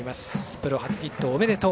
プロ初ヒットおめでとう！